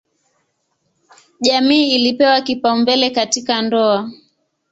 Jamii ilipewa kipaumbele katika ndoa.